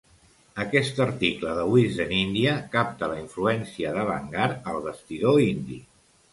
Aquest article de Wisden India capta la influència de Bangar al vestidor indi.